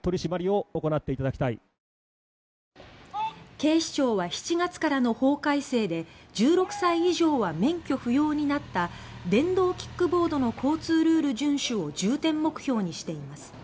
警視庁は、７月からの法改正で１６歳以上は免許不要になった電動キックボードの交通ルール遵守を重点目標にしています。